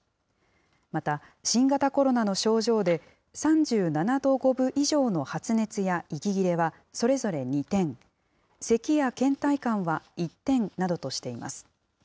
また新型コロナの症状で３７度５分以上の発熱や息切れはそれぞれ２点、せきやけん怠感は１点などとしています。